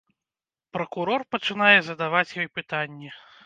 Пракурор пачынае задаваць ёй пытанні.